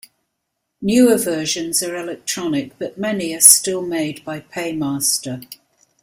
Newer versions are electronic, but many are still made by PayMaster.